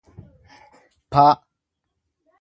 p